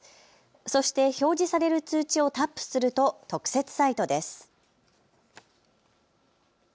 そして表示される通知をタップすると特設サイトです。